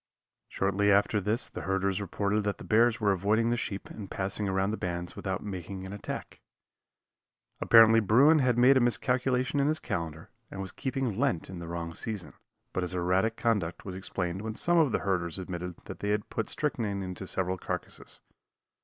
Shortly after this the herders reported that the bears were avoiding the sheep and passing around the bands without making an attack. Apparently bruin had made a miscalculation in his calendar and was keeping Lent in the wrong season, but his erratic conduct was explained when some of the herders admitted that they had put strychnine into several carcasses.